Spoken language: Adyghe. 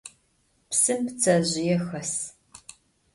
Psım ptsezjıê xes.